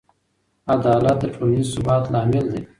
عدالت د ټولنیز ثبات لامل دی.